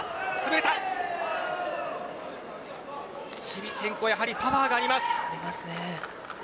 シビチェンコはやはりパワーがあります。